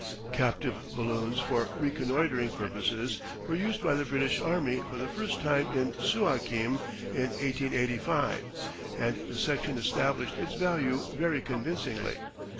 Captive balloons for reconnoitring purposes were used by the British army for the first time at Suakim in 1885, and the section established its value very convincingly.